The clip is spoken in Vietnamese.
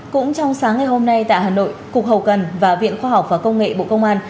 cũng trong sáng ngày hôm nay tại hà nội cục hậu cần và viện khoa học và công nghệ bộ công an